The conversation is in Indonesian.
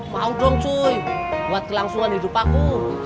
mau dong cui buat kelangsungan hidup aku